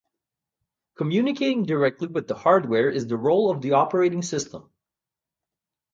Communicating directly with the hardware is the role of the operating system.